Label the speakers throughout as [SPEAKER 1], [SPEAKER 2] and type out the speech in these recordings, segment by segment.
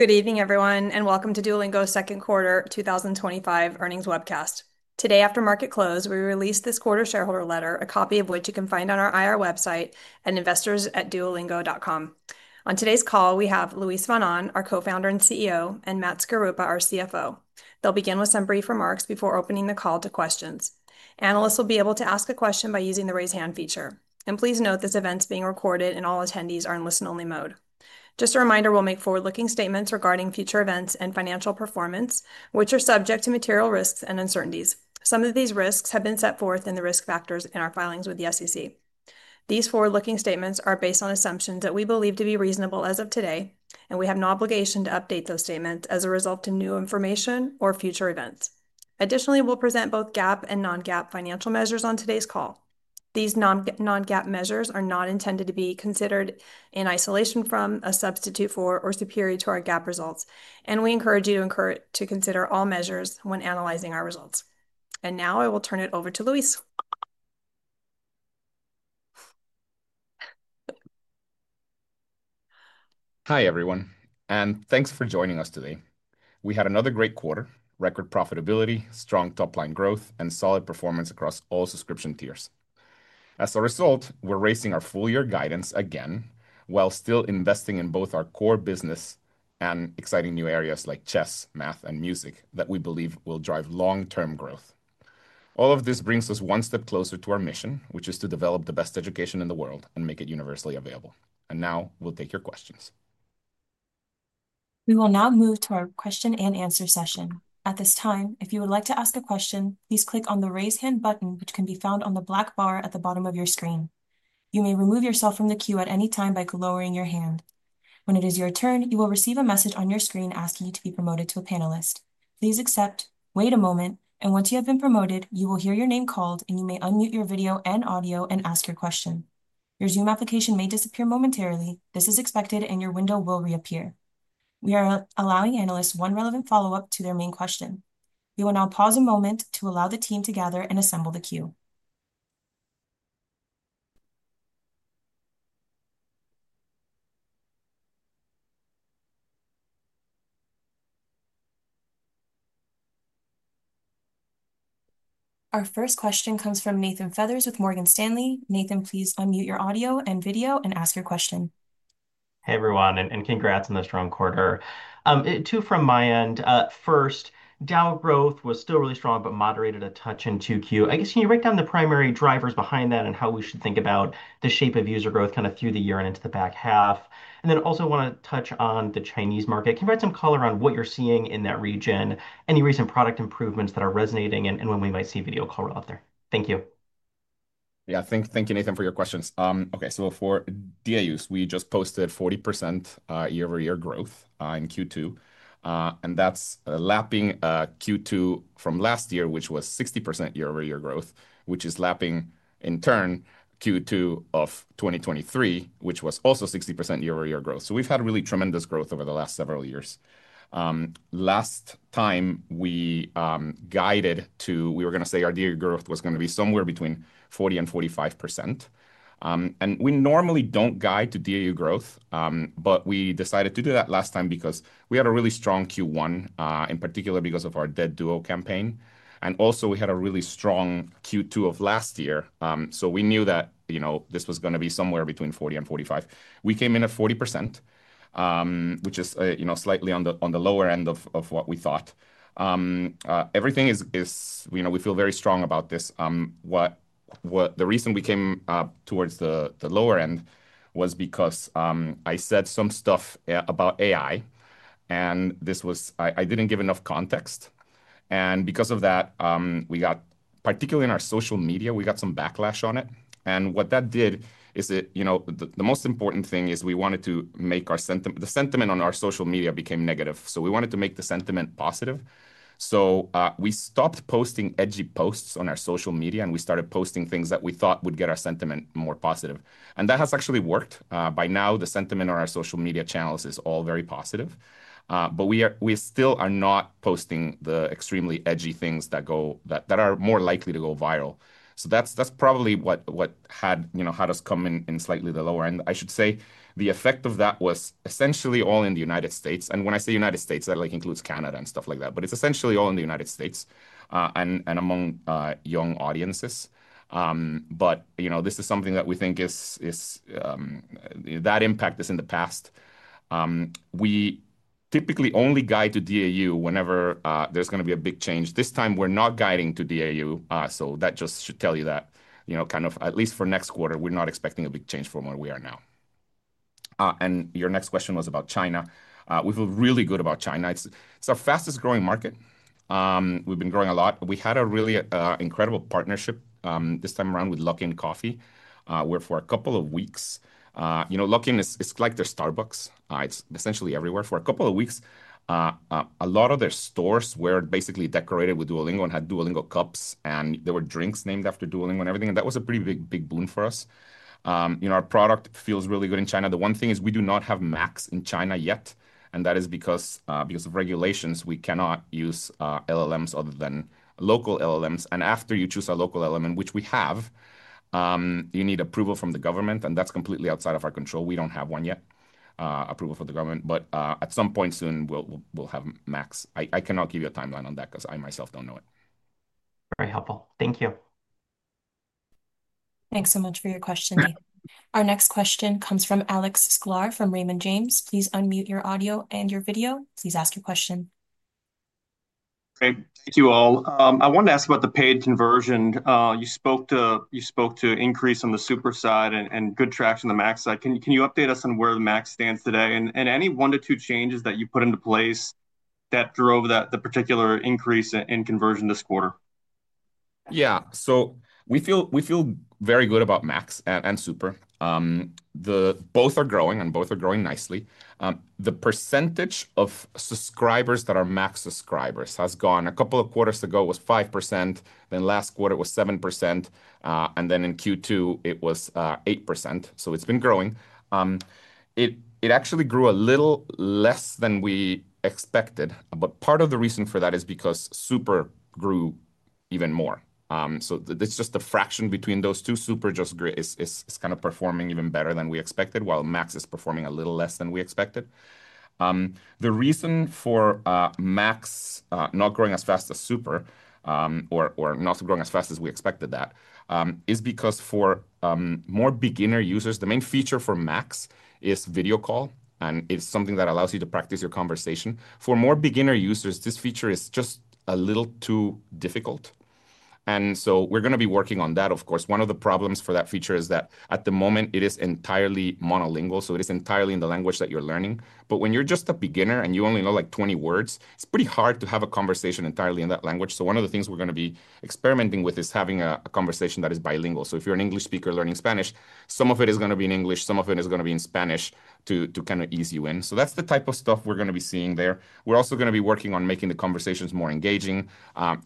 [SPEAKER 1] Good evening everyone and welcome to Duolingo second quarter 2025 earnings webcast. Today after market close we released this quarter shareholder letter, a copy of which you can find on our IR website at investors.duolingo.com. On today's call we have Luis von Ahn, our Co-Founder and CEO, and Matthew Skaruppa, our CFO. They'll begin with some brief remarks before opening the call to questions. Analysts will be able to ask a question by using the Raise Hand feature. Please note this event is being recorded and all attendees are in listen-only mode. Just a reminder, we'll make forward-looking statements regarding future events and financial performance, which are subject to material risks and uncertainties. Some of these risks have been set forth in the risk factors in our filings with the SEC. These forward-looking statements are based on assumptions that we believe to be reasonable as of today and we have no obligation to update those statements as a result of new information or future events. Additionally, we'll present both GAAP and non-GAAP financial measures on today's call. These non-GAAP measures are not intended to be considered in isolation from, a substitute for, or superior to our GAAP results, and we encourage you to consider all measures when analyzing our results. Now I will turn it over to Luis.
[SPEAKER 2] Hi everyone and thanks for joining us today. We had another great quarter. Record profitability, strong top-line growth, and solid performance across all subscription tiers. As a result, we're raising our full-year guidance again while still investing in both our core business and exciting new areas like chess, math, and music that we believe will drive long-term growth. All of this brings us one step closer to our mission, which is to develop the best education in the world and make it universally available. We will now take your questions.
[SPEAKER 3] We will now move to our question and answer session. At this time, if you would like to ask a question, please click on the Raise hand button, which can be found on the black bar at the bottom of your screen. You may remove yourself from the queue at any time by lowering your hand. When it is your turn, you will receive a message on your screen asking you to be promoted to a panelist. Please accept. Wait a moment, and once you have been promoted, you will hear your name called and you may unmute your video and audio and ask your question. Your Zoom application may disappear momentarily. This is expected, and your window will reappear. We are allowing analysts one relevant follow-up to their main question. We will now pause a moment to allow the team to gather and assemble the queue. Our first question comes from Nathan Feather with Morgan Stanley. Nathan, please unmute your audio and video and ask your question.
[SPEAKER 4] Hey everyone, and congrats on the strong quarter two from my end. First, DAU growth was still really strong, but moderated a touch in 2Q, I guess. Can you break down the primary drivers? Behind that and how we should think about the shape of user growth kind of through the year and into the back half? I also want to touch on the Chinese market. Can you provide some color on what? You're seeing in that region, any recent product improvements that are resonating and when we might see Video Call out there? Thank you.
[SPEAKER 2] Yeah, thank you, Nathan, for your questions. Okay, so for DAUs, we just posted 40% year-over-year growth in Q2 and that's lapping Q2 from last year, which was 60% year-over-year growth, which is lapping in turn Q2 of 2023, which was also 60% year-over-year growth. We've had really tremendous growth over the last several years. Last time we guided to, we were going to say our DAU growth was going to be somewhere between 40% and 45% and we normally don't guide to DAU growth but we decided to do that last time because we had a really strong Q1 in particular because of our Dead Duo campaign and also we had a really strong Q2 of last year. We knew that this was going to be somewhere between 40% and 45%. We came in at 40% which is slightly on the lower end of what we thought everything is. We feel very strong about this. The reason we came towards the lower end was because I said some stuff about AI and I didn't give enough context. Because of that, particularly in our social media, we got some backlash on it. The most important thing is we wanted to make our sentiment, the sentiment on our social media became negative, so we wanted to make the sentiment positive. We stopped posting edgy posts on our social media and we started posting things that we thought would get our sentiment more positive. That has actually worked. By now the sentiment on our social media channels is all very positive, but we still are not posting the extremely edgy things that are more likely to go viral. That's probably what had us come in slightly the lower end, I should say. The effect of that was essentially all in the U.S. and when I say United States, that includes Canada and stuff like that. It's essentially all in the U.S. and among young audiences. This is something that we think that impact is in the past. We typically only guide to DAU whenever there's going to be a big change. This time we're not guiding to DAU. That just should tell you that, at least for next quarter, we are not expecting a big change from where we are now. Your next question was about China. We feel really good about China. It's our fastest growing market. We've been growing a lot. We had a really incredible partnership this time around with Luckin Coffee, where for a couple of weeks Luckin, it's like the Starbucks. It's essentially everywhere. For a couple of weeks, a lot of their stores were basically decorated with Duolingo and had Duolingo cups, and there were drinks named after Duolingo and everything. That was a pretty big boon for us. Our product feels really good in China. The one thing is, we do not have Max in China yet. That is because of regulations, we cannot use LLMs other than local LLMs. After you choose a local LLM, which we have, you need approval from the government, and that's completely outside of our control. We don't have one yet, approval from the government, but at some point soon we'll have Max. I cannot give you a timeline on that because I myself don't know it.
[SPEAKER 4] Very helpful, thank you.
[SPEAKER 3] Thanks so much for your question, Nath. Our next question comes from Alex Sklar from Raymond James. Please unmute your audio and your video. Please ask your question.
[SPEAKER 5] Great, thank you. All I wanted to ask about the paid conversion you spoke to. Increase on the Super side and good traction, the Max side. Can you update us on where the Max stands today and any one to two changes that you put into place that drove that particular increase in conversion this quarter?
[SPEAKER 2] Yeah, so we feel very good about Max and Super. Both are growing and both are growing nicely. The percentage of subscribers that are Max subscribers has gone a couple of quarters ago was 5%, then last quarter was 7% and then in Q2 it was 8%. It's been growing. It actually grew a little less than we expected. Part of the reason for that is because Super grew even more. It's just the fraction between those two. Super is kind of performing even better than we expected, while Max is performing a little less than we expected. The reason for Max not growing as fast as Super or not growing as fast as we expected is that for more beginner users, the main feature for Max is Video Call. It's something that allows you to practice your conversation. For more beginner users, this feature is just a little too difficult and we're going to be working on that. Of course, one of the problems for that feature is that at the moment it is entirely monolingual. It is entirely in the language that you're learning. When you're just a beginner and you only know like 20 words, it's pretty hard to have a conversation entirely in that language. One of the things we're going to be experimenting with is having a conversation that is bilingual. If you're an English speaker learning Spanish, some of it is going to be in English, some of it is going to be in Spanish to kind of ease you in. That's the type of stuff we're going to be seeing there. We're also going to be working on making the conversations more engaging.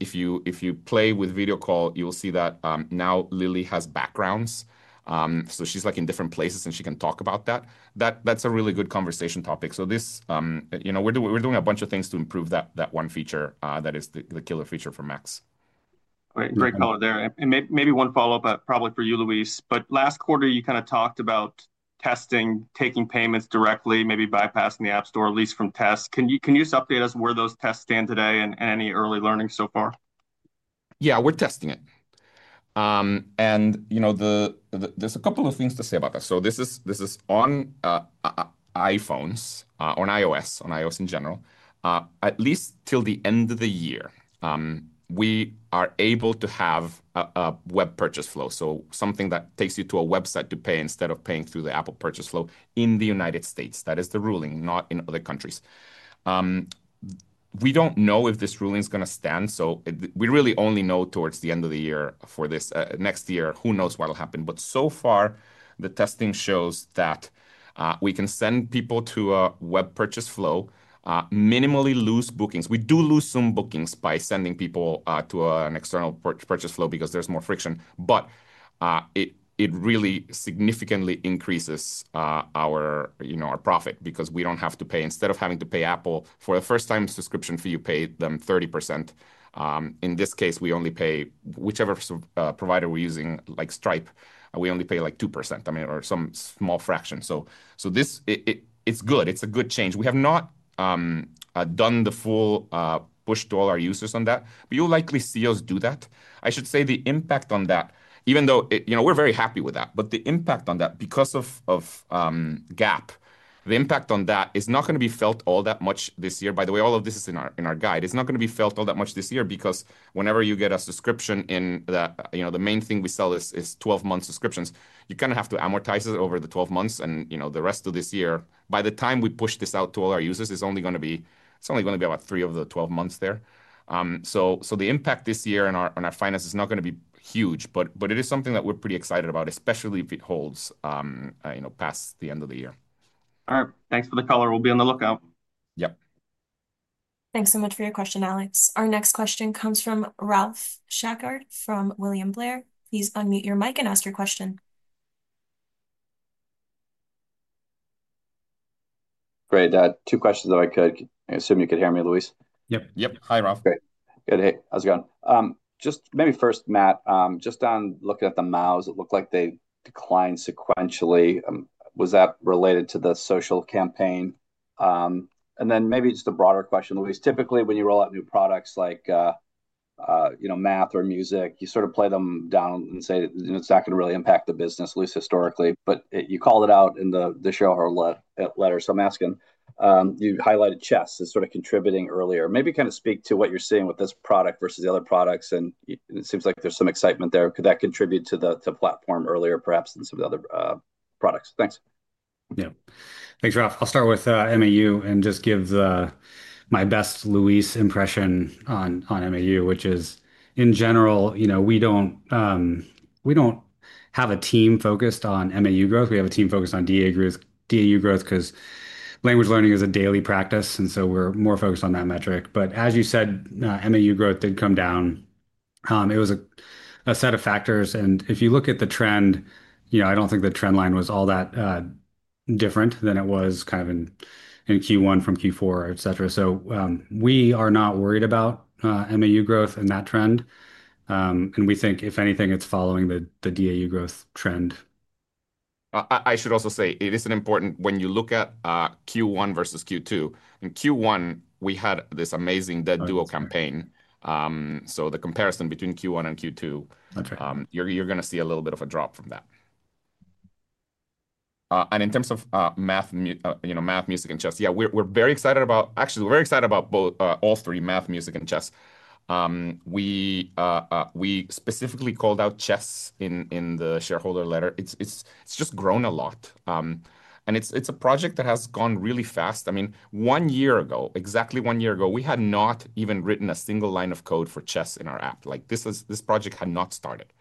[SPEAKER 2] If you play with Video Call, you will see that now Lily has backgrounds so she's in different places and she can talk about that. That's a really good conversation topic. We're doing a bunch of things to improve that one feature that is the killer feature for Max.
[SPEAKER 5] Great color there. Maybe one follow up, probably for you, Luis, but last quarter you kind of talked about testing, taking payments directly, maybe bypassing the App Store, at least from tests. Can you update us where those tests stand today and any early learning so far?
[SPEAKER 2] Yeah, we're testing it and there's a couple of things to say about that. This is on iPhones, on iOS, on iOS in general, at least till the end of the year, we are able to have a web purchase flow, something that takes you to a website to pay instead of paying through the Apple purchase flow. In the United States, that is the ruling, not in other countries. We don't know if this ruling is going to stand. We really only know towards the end of the year for this next year, who knows what will happen. So far the testing shows that we can send people to a web purchase flow, minimally lose bookings. We do lose some bookings by sending people to an external purchase flow because there's more friction. It really significantly increases our profit because we don't have to pay. Instead of having to pay Apple for the first time subscription where you pay them 30%, in this case, we only pay whichever provider we're using, like Stripe, we only pay like 2%, or some small fraction. This is good. It's a good change. We have not done the full push to all our users on that, but you'll likely see us do that. I should say the impact on that, even though we're very happy with that, the impact on that because of GAAP. The impact on that is not going to be felt all that much this year. By the way, all of this is in our guide. It's not going to be felt all that much this year because whenever you get a subscription in, the main thing we sell is 12 month subscriptions. You have to amortize it over the 12 months. The rest of this year, by the time we push this out to all our users, it's only going to be about three of the 12 months there. The impact this year on our finance is not going to be huge. It is something that we're pretty excited about, especially if it holds past the end of the year.
[SPEAKER 5] All right, thanks for the color. We'll be on the lookout.
[SPEAKER 3] Yeah, thanks so much for your question, Alex. Our next question comes from Ralph Schackart from William Blair. Please unmute your mic and ask your question.
[SPEAKER 6] Great. Two questions that I could assume you could hear me, Luis. Yep.
[SPEAKER 2] Yep. Hi, Ralph.
[SPEAKER 6] Great. Hey, how's it going? Maybe first, Matt, just on looking at the MAUs, it looked like they declined sequentially. Was that related to the social campaign? Maybe just a broader question, Luis, typically when you roll out new products like, you know, math or music, you sort of play them down and say it's not going to really impact the business, at least historically. You call it out in the shareholder letter. I'm asking, you highlighted chess is sort of contributing earlier. Maybe kind of speak to what you're seeing with this product versus the other products. It seems like there's some excitement there. Could that contribute to the platform earlier perhaps than some of the other products? Thanks.
[SPEAKER 7] Yeah, thanks, Ralph. I'll start with MAU and just give my best Luis impression on MAU, which is in general, you know, we don't have a team focused on MAU growth. We have a team focused on DAU growth because language learning is a daily practice and we're more focused on that metric. As you said, MAU growth did come down. It was a set of factors. If you look at the trend, I don't think the trend line was all that different than it was in Q1, from Q4, etc. We are not worried about MAU growth and that trend, and we think if anything, it's following the DAU growth trend.
[SPEAKER 2] I should also say it is important. When you look at Q1 versus Q2, in Q1, we had this amazing Dead Duo campaign. The comparison between Q1 and Q2, you're going to see a little bit of a drop from that. In terms of math, music, and chess, yeah, we're very excited about all three. Math, music, and chess. We specifically called out chess in the shareholder letter. It's just grown a lot and it's a project that has gone really fast. One year ago, exactly one year ago, we had not even written a single line of code for chess in our app. This project had not started.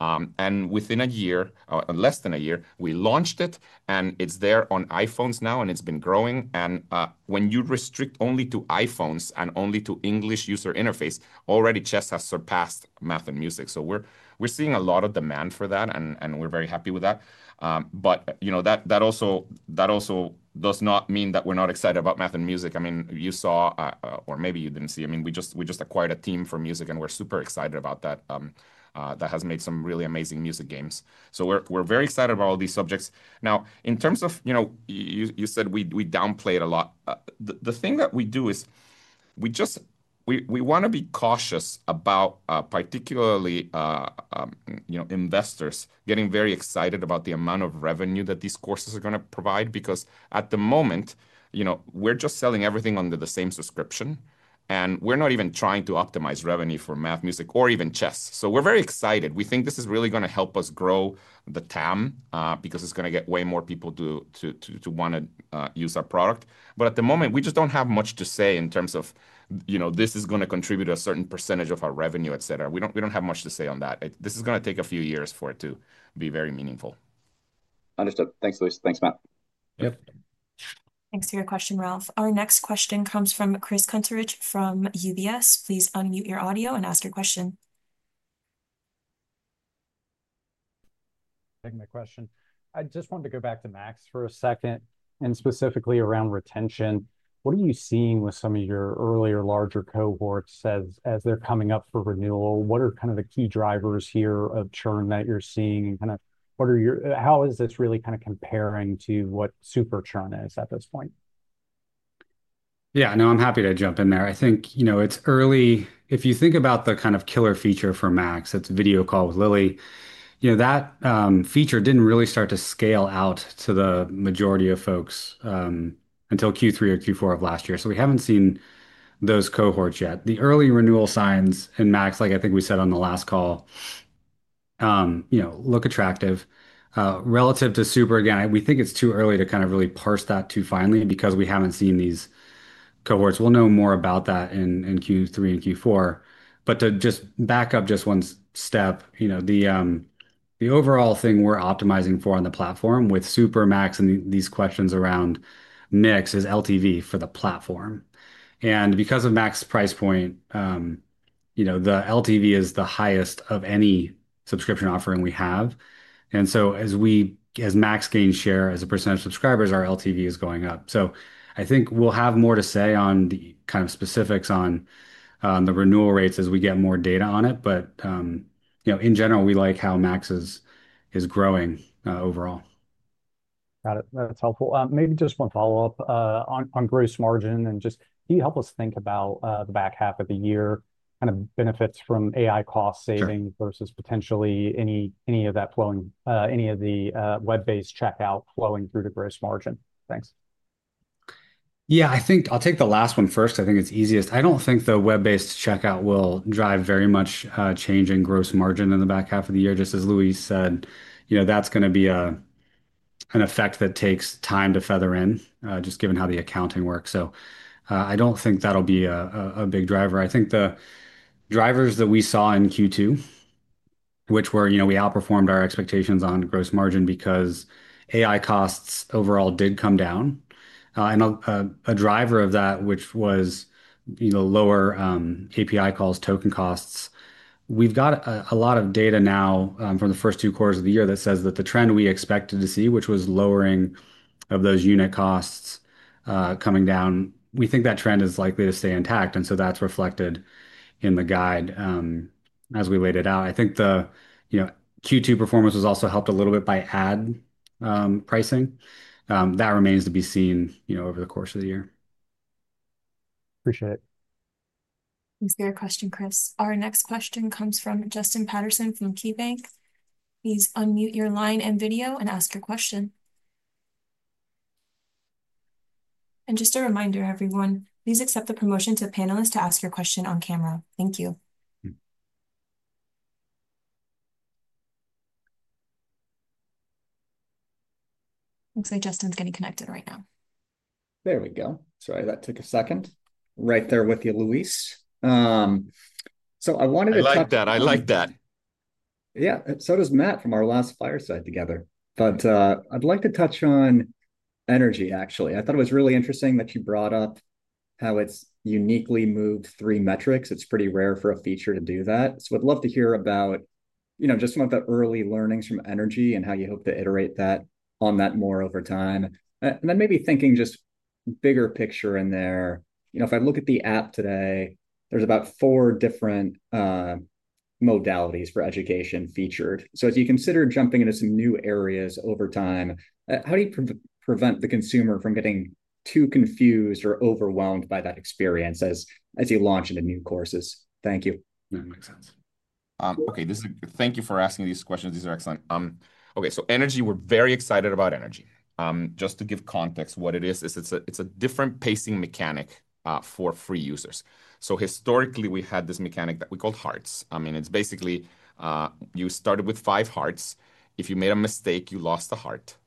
[SPEAKER 2] Within a year, less than a year, we launched it. It's there on iPhones now and it's been growing. When you restrict only to iPhones and only to English user interface, already chess has surpassed math and music. We're seeing a lot of demand for that and we're very happy with that. That also does not mean that we're not excited about math and music. You saw, or maybe you didn't see, we just acquired a team for music and we're super excited about that. That has made some really amazing music games. We're very excited about all these subjects. In terms of, you know, you said we downplay it a lot. The thing that we do is we just want to be cautious about particularly, you know, investors getting very excited about the amount of revenue that these courses are going to provide. At the moment, you know, we're just selling everything under the same subscription and we're not even trying to optimize revenue for math, music, or even chess. We're very excited. We think this is really going to help us grow the TAM because it's going to get way more people to want to use our product. At the moment, we just don't have much to say in terms of, you know, this is going to contribute a certain percent of our revenue, etc. We don't have much to say on that. This is going to take a few years for it to be very meaningful.
[SPEAKER 6] Understood. Thanks, Luis. Thanks, Matt.
[SPEAKER 3] Thanks for your question, Ralph. Our next question comes from Chris Kuntarich from UBS. Please unmute your audio and ask your question.
[SPEAKER 8] taking my question. I just wanted to go back to Max for a second, and specifically around retention. What are you seeing with some of your earlier, larger cohorts as they're coming up for renewal? What are the key drivers here of churn that you're seeing, and how is this really comparing to what Super is at this point?
[SPEAKER 7] Yeah, I'm happy to jump in there. I think it's early. If you think about the kind of killer feature for Max, it's Video Call with Lily. That feature didn't really start to scale out to the majority of folks until Q3 or Q4 of last year, so we haven't seen those cohorts yet. The early renewal signs in Max, like I think we said on the last call, look attractive relative to Super. Again, we think it's too early to really parse that too finely because we haven't seen these cohorts. We'll know more about that in Q3 and Q4. To back up just one step, the overall thing we're optimizing for on the platform with Super, Max, and these questions around mix is LTV for the platform, and because of Max price point, the LTV is the highest of any subscription offering we have. As Max gains share as a percent of subscribers, our LTV is going up. I think we'll have more to say on the specifics on the renewal rates as we get more data on it, but in general we like how Max is growing overall. Got it. That's helpful. Maybe just one follow-up on gross margin.
[SPEAKER 8] Can you help us think about the back half of the year and benefits from AI cost savings versus potentially any of the web-based checkout flowing through to gross margin? Thanks.
[SPEAKER 7] Yeah, I think I'll take the last one first. I think it's easiest. I don't think the web-based checkout will drive very much change in gross margin in the back half of the year, just as Luis said. That's going to be an effect that takes time to feather in just given how the accounting works. I don't think that'll be a big driver. The drivers that we saw in Q2, which were we outperformed our expectations on gross margin because AI costs overall did come down, and a driver of that was lower API calls, token costs. We've got a lot of data now from the first two quarters of the year that says that the trend we expected to see, which was lowering of those unit costs coming down, we think that trend is likely to stay intact. That's reflected in the guide as we laid it out. I think the Q2 performance was also helped a little bit by ad pricing. That remains to be seen over the course of the year.
[SPEAKER 8] Appreciate it.
[SPEAKER 3] Thanks for your question, Chris. Our next question comes from Justin Patterson from KeyBanc. Please unmute your line and video and ask your question. Just a reminder, everyone, please accept the promotion to panelists to ask your question on camera. Thank you. Looks like Justin's getting connected right now.
[SPEAKER 9] There we go. Sorry, that took a second. Right there with you, Luis. I wanted to.
[SPEAKER 2] I like that. I like that.
[SPEAKER 9] Yeah, this is Matt from our last fireside together. I'd like to touch on energy, actually. I thought it was really interesting that you brought up how it's uniquely moved three metrics. It's pretty rare for a feature to do that. I'd love to hear about just some of the early learnings from energy and how you hope to iterate on that more over time, and then maybe thinking just bigger picture in there. You know, if I look at the. App today, there's about four different modalities for education featured. As you consider jumping into some new areas over time, how do you prevent the consumer from getting too confused or overwhelmed by that experience as you launch into new courses? Thank you.
[SPEAKER 2] That makes sense. Okay. Thank you for asking these questions. These are excellent. Okay, so energy. We're very excited about energy. Just to give context what it is, it's a different pacing mechanic for free users. Historically, we had this mechanic that we called hearts. I mean, it's basically you started with five hearts. If you made a mistake, you lost the heart,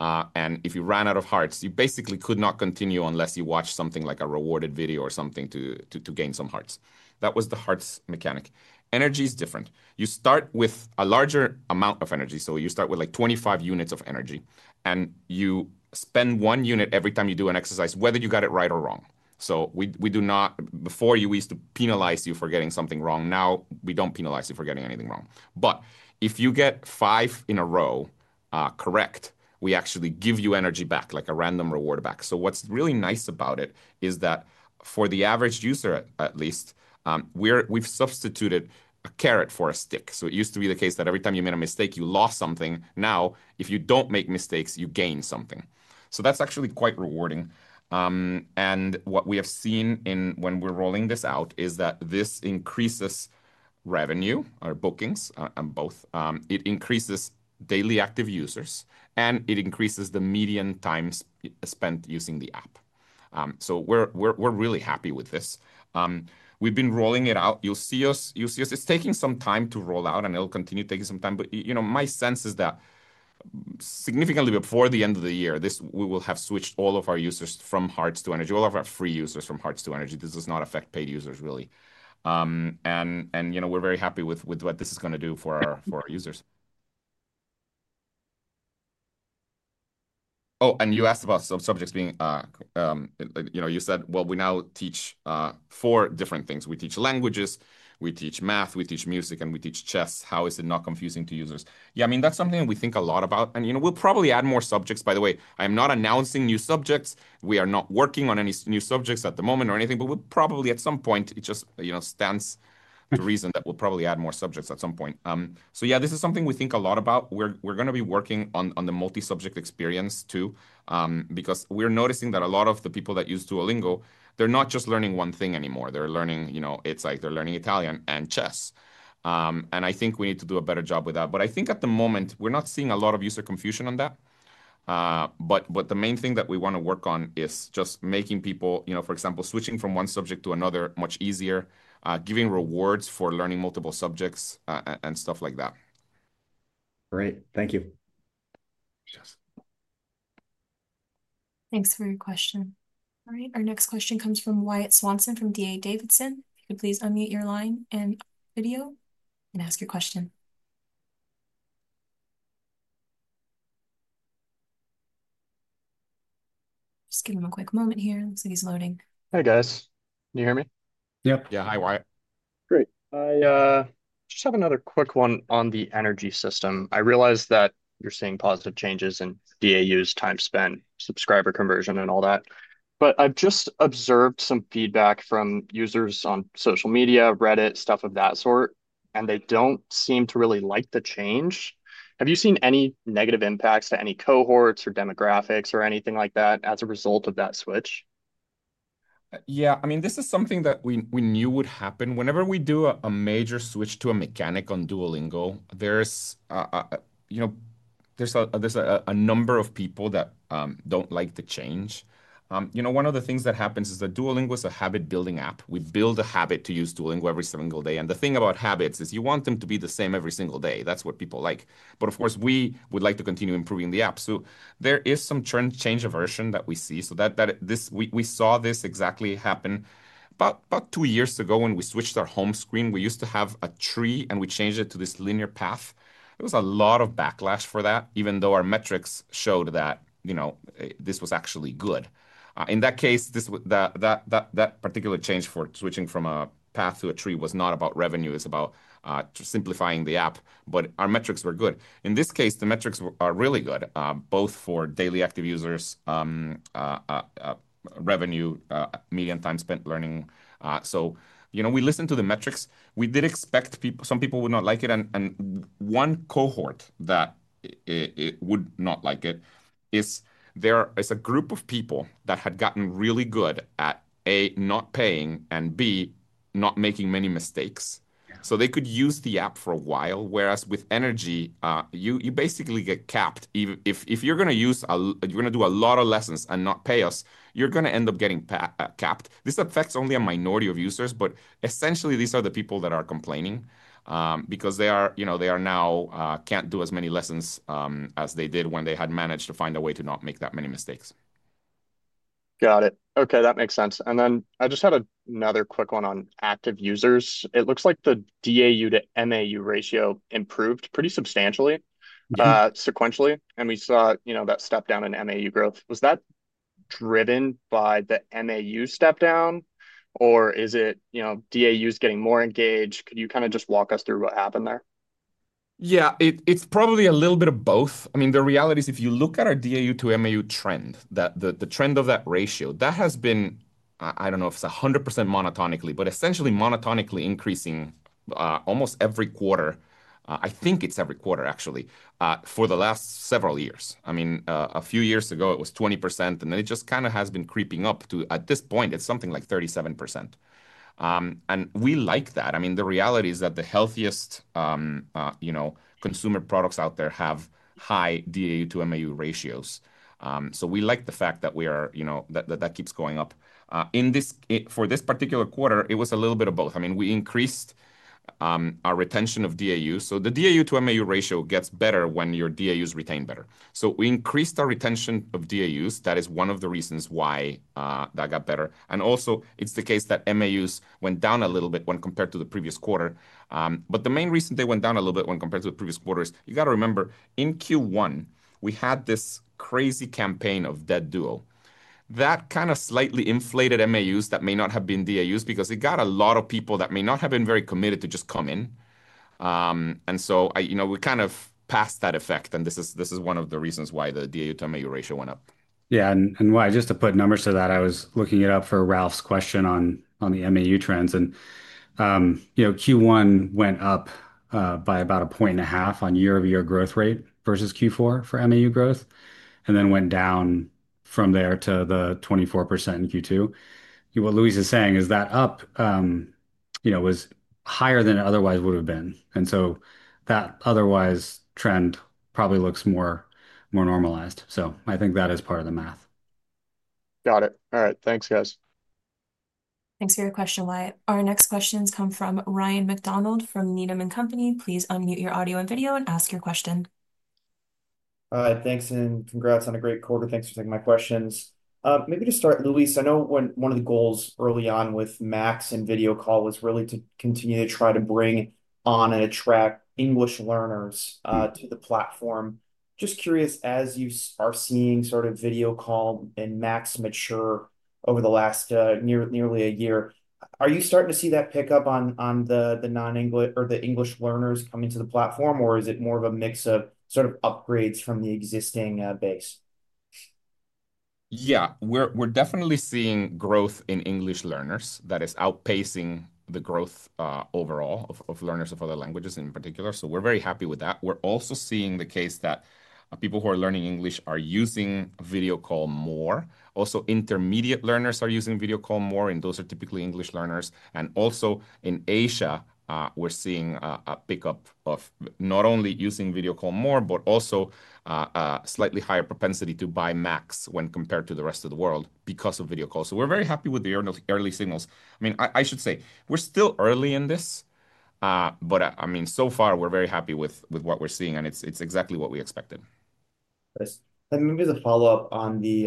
[SPEAKER 2] and if you ran out of hearts, you basically could not continue unless you watch something like a rewarded video or something to gain some hearts. That was the hearts mechanic. Energy is different. You start with a larger amount of energy. You start with like 25 units of energy, and you spend one unit every time you do an exercise, whether you got it right or wrong. We do not. Before, we used to penalize you for getting something wrong. Now we don't penalize you for getting anything wrong, but if you get five in a row correct, we actually give you energy back, like a random reward back. What's really nice about it is that for the average user at least, we've substituted a carrot for a stick. It used to be the case that every time you made a mistake, you lost something. Now if you don't make mistakes, you gain something. That's actually quite rewarding. What we have seen when we're rolling this out is that this increases revenue or bookings, both. It increases daily active users and it increases the median time spent using the app. We're really happy with this. We've been rolling it out, you'll see us. It's taking some time to roll out and it'll continue taking some time. My sense is that significantly before the end of the year, we will have switched all of our users from hearts to energy, all of our free users from hearts to energy. This does not affect paid users really, and we're very happy with what this is going to do for our users. Oh, and you asked about subjects being you said, we now teach four different things. We teach languages, we teach math, we teach music, and we teach chess. How is it not confusing to users? That's something that we think a lot about. You know, we'll probably add more subjects. By the way, I'm not announcing new subjects. We are not working on any new subjects at the moment or anything, but we'll probably at some point. It just stands to reason that we'll probably add more subjects at some point. This is something we think a lot about. We're going to be working on the multi subject experience too because we're noticing that a lot of the people that use Duolingo, they're not just learning one thing anymore. They're learning, you know, it's like they're learning Italian and chess, and I think we need to do a better job with that. At the moment, we're not seeing a lot of user confusion on that. The main thing that we want to work on is just making people, for example, switching from one subject to another much easier, giving rewards for learning multiple subjects, and stuff like that.
[SPEAKER 9] Great, thank you, Jess.
[SPEAKER 3] Thanks for your question. Our next question comes from Wyatt Swanson from D.A. Davidson. Please unmute your line and video and ask your question. Give him a quick moment here. He's loading.
[SPEAKER 10] Hey guys, can you hear me?
[SPEAKER 2] Yep. Yeah. Hi, Wyatt. Great.
[SPEAKER 10] I just have another quick one on the energy system. I realize that you're seeing positive changes in DAU's, time spent, subscriber conversion, and all that, but I've just observed some feedback from users on social media, Reddit, stuff of that sort, and they don't seem to really like the change. Have you seen any negative impacts to any cohorts or demographics or anything like that as a result of that switch?
[SPEAKER 2] Yeah, I mean, this is something that we knew would happen whenever we do a major switch to a mechanic on Duolingo. There's a number of people that don't like the change. One of the things that happens is that Duolingo is a habit-building app. We build a habit to use Duolingo every single day. The thing about habits is you want them to be the same every single day. That's what people like. Of course, we would like to continue improving the app. There is some change aversion that we see. We saw this exactly happen about two years ago when we switched our home screen. We used to have a tree and we changed it to this linear path. There was a lot of backlash for that, even though our metrics showed that this was actually good. In that case, that particular change for switching from a path to a tree was not about revenue, it's about simplifying the app. Our metrics were good. In this case, the metrics are really good, both for daily active users, revenue, median time spent learning. We listened to the metrics. We did expect some people would not like it. One cohort that would not like it is there is a group of people that had gotten really good at A, not paying, and B, not making many mistakes so they could use the app for a while. Whereas with energy, you basically get capped. If you're going to use, you're going to do a lot of lessons and not pay us, you're going to end up getting capped. This affects only a minority of users, but essentially these are the people that are complaining because they now can't do as many lessons as they did when they had managed to find a way to not make that many mistakes.
[SPEAKER 10] Got it. Okay, that makes sense. I just had another quick one on active users. It looks like the DAU-to-MAU ratio improved pretty substantially sequentially. We saw that step. Down in MAU growth. Was that driven by the MAU step down, or is it, you know, DAUs getting more engaged? Could you kind of just walk us through. Through what happened there?
[SPEAKER 2] Yeah, it's probably a little bit of both. I mean, the reality is, if you look at our DAU-to-MAU trend, the trend of that ratio has been, I don't know if it's 100% monotonically, but essentially monotonically increasing almost every quarter. I think it's every quarter actually for the last several years. A few years ago it was 20%, and then it just kind of has been creeping up to, at this point, it's something like 37%. We like that. The reality is that the healthiest consumer products out there have high DAU-to-MAU ratios. We like the fact that we are, you know, that that keeps going up. For this particular quarter, it was a little bit of both. We increased our retention of DAUs, so the DAU-to-MAU ratio gets better when your DAUs retain better. We increased our retention of DAUs. That is one of the reasons why that got better. Also, it's the case that MAUs went down a little bit when compared to the previous quarter, but the main reason they went down a little bit when compared to the previous quarters, you got to remember in Q1, we had this crazy campaign of Dead Duo that kind of slightly inflated MAUs that may not have been DAUs because it got a lot of people that may not have been very committed to just come in. We kind of passed that effect, and this is one of the reasons why the DAU-to-MAU ratio went up.
[SPEAKER 7] Yeah. Just to put numbers to that, I was looking it up for Ralph's question on the MAU trends. You know, Q1 went up by about a point and a half on year-over-year growth rate versus Q4 for MAU growth and then went down from there to the 24% in Q2. What Luis is saying is that up, you know, was higher than it otherwise would have been. That otherwise trend probably looks more normalized. I think that is part of the math.
[SPEAKER 10] Got it. All right, thanks guys.
[SPEAKER 3] Thanks for your question, Wyatt. Our next questions come from Ryan MacDonald from Needham & Company. Please unmute your audio and video and ask your question.
[SPEAKER 11] All right, thanks and congrats on a great quarter. Thanks for taking my questions. Maybe to start, Luis, I know one of the goals early on with Max and Video Call was really to continue to try to bring on and attract English learners to the platform. Just curious as you are seeing sort of Video Call and Max mature over the last nearly a year, are you starting to see that pick up on the non-English or the English learners coming to the platform, or is it more of a mix of sort of upgrades from the existing base?
[SPEAKER 2] Yeah, we're definitely seeing growth in English learners that is outpacing the growth overall of learners of other languages in particular. We're very happy with that. We're also seeing the case that people who are learning English are using Video Call more. Also, intermediate learners are using Video Call more, and those are typically English learners. In Asia, we're seeing a pickup of not only using Video Call more, but also slightly higher propensity to buy Max when compared to the rest of the world because of Video Call. We're very happy with the early signals. I should say we're still early in this, but so far we're very happy with what we're seeing and it's exactly what we expected.
[SPEAKER 11] Maybe the follow up on the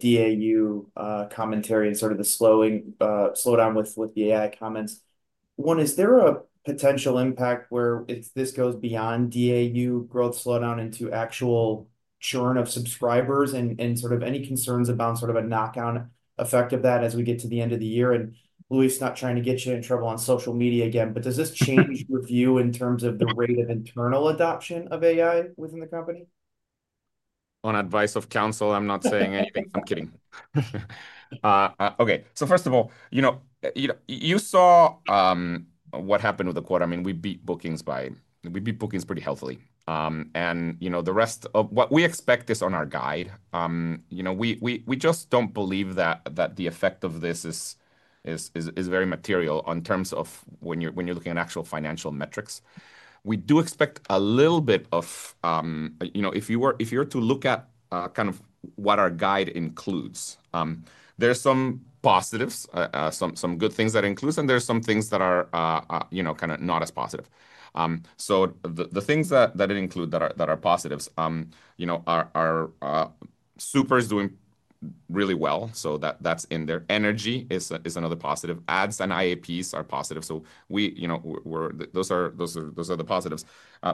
[SPEAKER 11] DAU. Commentary and sort of the slowdown. The AI comments one. Is there a. Potential impact where this goes beyond DAU. Growth slowdown into actual churn of subscribers. Are there any concerns about a knockout effect of that as we get to the end of the year? Luis, not trying to get you. In trouble on social media again, but does this change review in terms of the rate of internal adoption of AI within the company?
[SPEAKER 2] On advice of counsel? I'm not saying anything. I'm kidding. Okay. First of all, you saw what happened with the quota. I mean, we beat bookings by, we beat bookings pretty healthily. The rest of what we expect is on our guide. We just don't believe that the effect of this is very material in terms of when you're looking at actual financial metrics. We do expect a little bit of, if you were to look at kind of what our guide includes, there's some positives, some good things that it includes, and there's some things that are kind of not as positive. The things that it includes that are positives, Super is doing really well. That's in there. Energy is another positive. Ads and IAPs are positive. Those are the positives.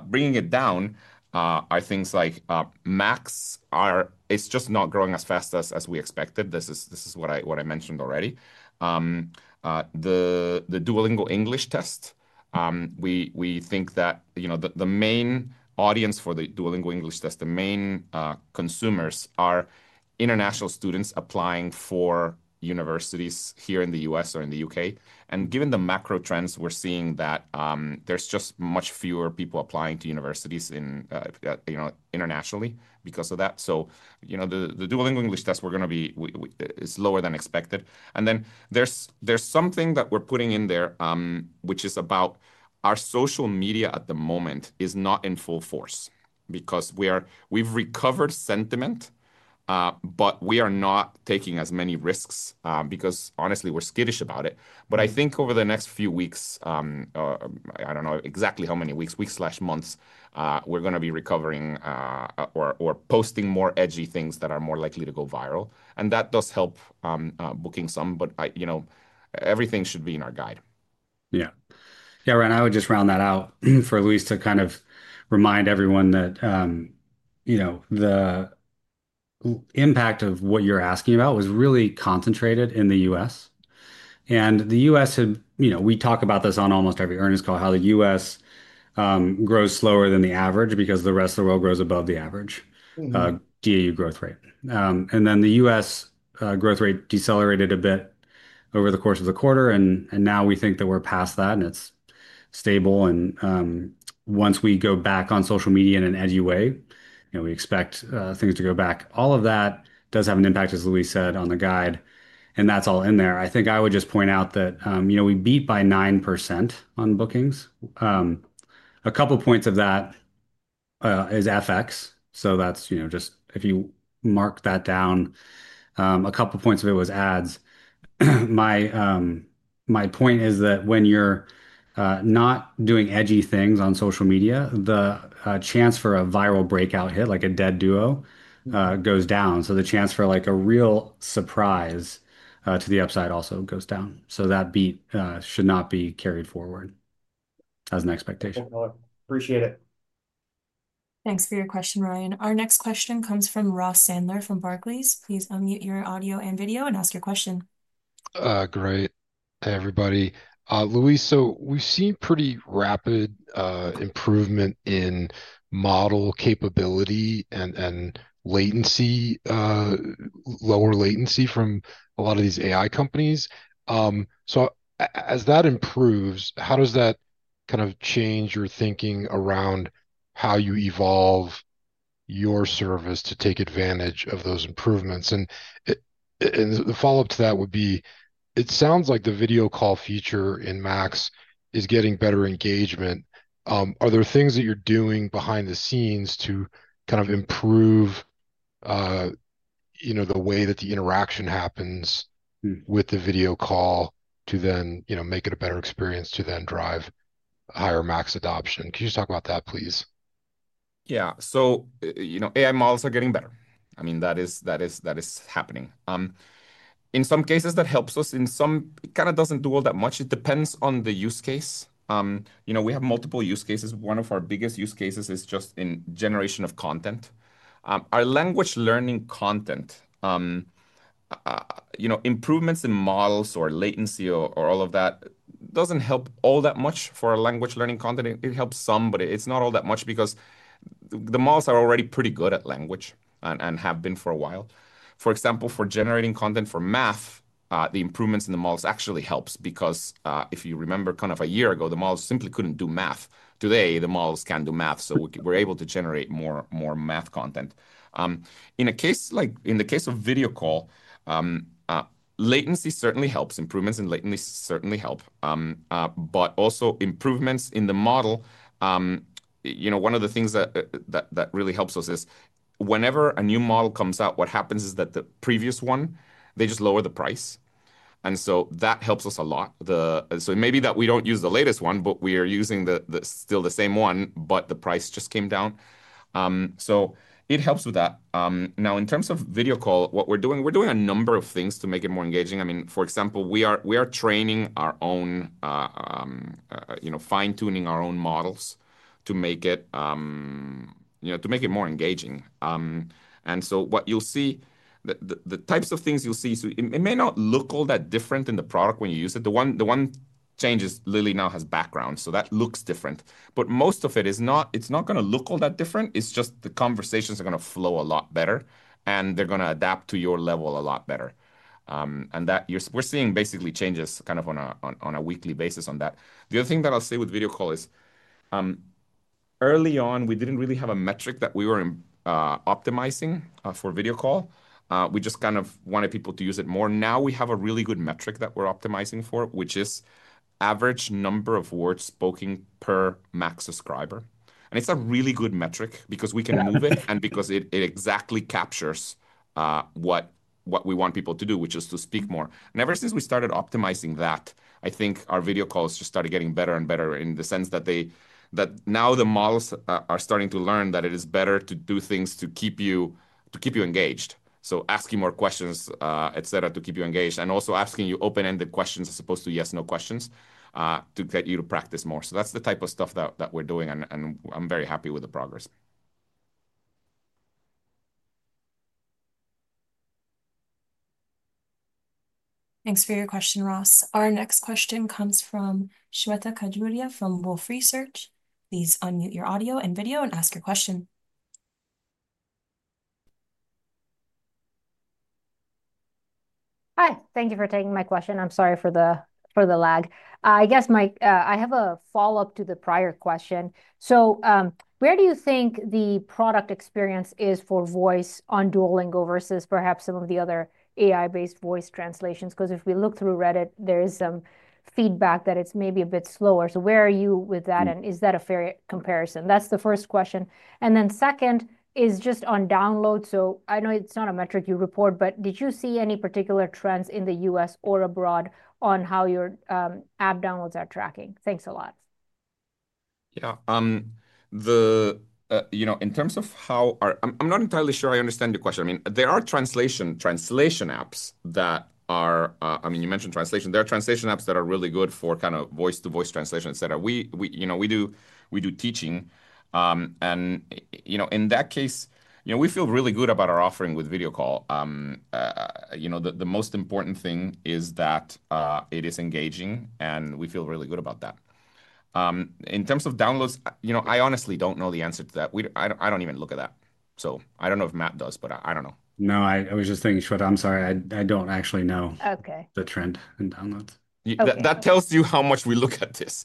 [SPEAKER 2] Bringing it down are things like Max, it's just not growing as fast as we expected. This is what I mentioned already, the Duolingo English Test. We think that the main audience for the Duolingo English Test, the main consumers, are international students applying for universities here in the U.S. or in the U.K., and given the macro trends, we're seeing that there's just much fewer people applying to universities internationally because of that. The Duolingo English Tests are going to be lower than expected. There's something that we're putting in there, which is about our social media at the moment is not in full force because we've recovered sentiment, but we are not taking as many risks because honestly, we're skittish about it. I think over the next few weeks, I don't know exactly how many weeks, weeks/months, we're going to be recovering, listing more edgy things that are more likely to go viral. That does help bookings some, but everything should be in our guide.
[SPEAKER 7] Yeah, yeah, Ryan. I would just round that out for Luis to kind of remind everyone that, you know, the impact of what you're asking about was really concentrated in the U.S. and the U.S. had, you know, we talk about this on almost every earnings call, how the U.S. grows slower than the average because the rest of the world grows above the average DAU growth rate. The U.S. growth rate decelerated a bit over the course of the quarter and now we think that we're past that and it's stable. Once we go back on social media in an edgy way, we expect things to go back. All of that does have an impact, as Luis said, on the guide. That's all in there. I think I would just point out that we beat by 9% on bookings. A couple points of that is FX. If you mark that down, a couple points of it was ads. My point is that when you're not doing edgy things on social media, the chance for a viral breakout hit, like a dead Duo, goes down. The chance for a real surprise to the upside also goes down. That beat should not be carried forward as an expectation.
[SPEAKER 11] Appreciate it.
[SPEAKER 3] Thanks for your question, Ryan. Our next question comes from Ross Sandler from Barclays. Please unmute your audio and video and ask your question.
[SPEAKER 12] Great. Hey, everybody. Luis. We've seen pretty rapid improvement in model capability and latency, lower latency from a lot of these AI companies. As that improves, how does that kind of change your thinking around how you evolve your service to take advantage of those improvements? The follow up to that would be, it sounds like the Video Call feature in Max is getting better engagement. Are there things that you're doing behind the scenes to kind of improve the way that the interaction happens with the Video Call to then make it a better experience to then drive higher Max adoption? Can you talk about that, please?
[SPEAKER 2] Yeah. AI models are getting better. I mean, that is happening. In some cases, that helps us. In some, it kind of doesn't do all that much. It depends on the use case. We have multiple use cases. One of our biggest use cases is just in generation of content, our language learning content. Improvements in models or latency or all of that doesn't help all that much for language learning content. It helps some, but it's not all that much because the models are already pretty good at language and have been for a while. For example, for generating content for math, the improvements in the models actually helps because if you remember kind of a year ago, the models simply couldn't do math. Today the models can do math, so we're able to generate more math content. In the case of Video Call, latency certainly helps. Improvements in latency certainly help, but also improvements in the model. One of the things that really helps us is whenever a new model comes out, what happens is that the previous one, they just lower the price, and so that helps us a lot. It may be that we don't use the latest one, but we are using still the same one, but the price just came down, so it helps with that. Now, in terms of Video Call, we're doing a number of things to make it more engaging. For example, we are training our own, fine tuning our own models to make it more engaging. What you'll see, the types of things you'll see, it may not look all that different in the product when you use it. The one change is Lily now has background, so that looks different, but most of it is not going to look all that different. It's just the conversations are going to flow a lot better and they're going to adapt to your level a lot better. We're seeing basically changes kind of on a weekly basis on that. The other thing that I'll say with Video Call is early on we didn't really have a metric that we were optimizing for Video Call. We just kind of wanted people to use it more. Now we have a really good metric that we're optimizing for, which is average number of words spoken per Max subscriber. It's a really good metric because we can move it and because it exactly captures what we want people to do, which is to speak more. Ever since we started optimizing that, I think our video calls just started getting better and better in the sense that now the models are starting to learn that it is better to do things to keep you engaged. Asking more questions, et cetera, to keep you engaged and also asking you open ended questions as opposed to yes, no questions to get you to practice more. That's the type of stuff that we're doing and I'm very happy with the progress.
[SPEAKER 3] Thanks for your question, Ross. Our next question comes from Shweta Khajuria from Wolfe Research. Please unmute your audio and video and ask your question.
[SPEAKER 13] Hi, thank you for taking my question. I'm sorry for the lag. I guess I have a follow up to the prior question. Where do you think the product experience is for voice on Duolingo versus perhaps some of the other AI-based voice translations? If we look through Reddit there is some feedback that it's maybe a bit slower. Where are you with that and is that a fair comparison? That's the first question. The second is just on download. I know it's not a metric you report, but did you see any particular trends in the U.S. or abroad on how your app downloads are tracking? Thanks a lot.
[SPEAKER 2] In terms of how our, I'm not entirely sure I understand your question. I mean, there are translation apps that are, I mean, you mentioned translation. There are translation apps that are really good for kind of voice to voice translation, etc. We do teaching and, in that case, we feel really good about our offering with Video Call. The most important thing is that it is engaging, and we feel really good about that. In terms of downloads, I honestly don't know the answer to that. I don't even look at that. I don't know if Matt does, but I don't know.
[SPEAKER 7] No, I was just thinking, Shweta, I'm sorry, I don't actually know the trend.
[SPEAKER 2] Download that tells you how much we look at this.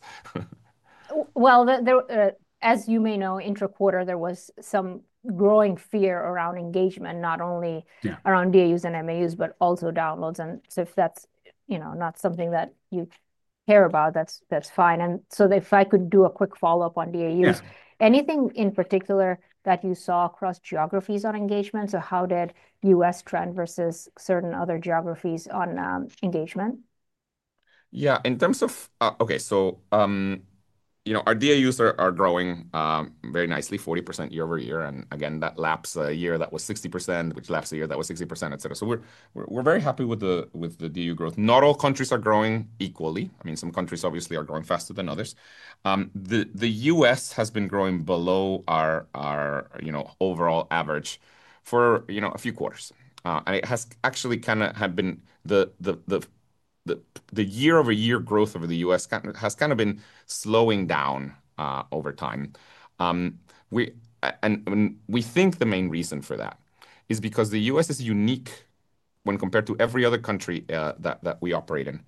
[SPEAKER 13] As you may know, intra quarter there was some growing fear around engagement, not only around DAUs and MAUs, but also downloads. If that's not something that you care about, that's fine. If I could do a quick follow up on DAUs, is there anything in particular that you saw across geographies on engagement? How did U.S. trend versus certain other geographies on engagement?
[SPEAKER 2] Yeah, in terms of, okay, our DAUs are growing very nicely, 40% year-over-year, and again that lapsed a year that was 60%, which lapsed a year that was 60%, et cetera. We're very happy with the DAU growth. Not all countries are growing equally. Some countries obviously are growing faster than others. The U.S. has been growing below our overall average for a few quarters, and it has actually kind of had been the year-over-year. Growth over the U.S. has kind of been slowing down over time. We think the main reason for that is because the U.S. is unique when compared to every other country that we operate in.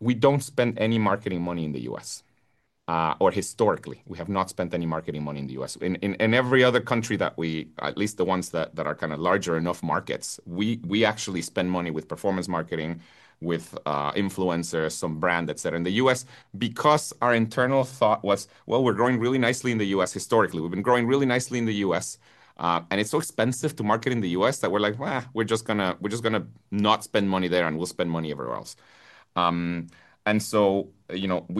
[SPEAKER 2] We don't spend any marketing money in the U.S., or historically we have not spent any marketing money in the U.S. In every other country, at least the ones that are kind of large enough market, we actually spend money with performance marketing, with influencers, some brand, et cetera. In the U.S., because our internal thought was, we're growing really nicely in the U.S. historically, we've been growing really nicely in the U.S., and it's so expensive to market in the U.S. that we're like, we're just going to not spend money there and we'll spend money everywhere else. We